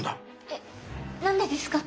えっ何でですか？